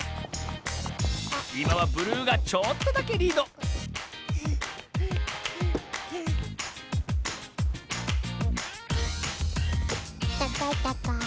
いまはブルーがちょっとだけリードたかいたかい。